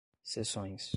sessões